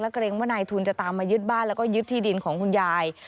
เกรงว่านายทุนจะตามมายึดบ้านแล้วก็ยึดที่ดินของคุณยาย